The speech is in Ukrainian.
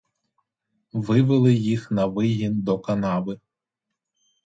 Вивели їх на вигін до канави.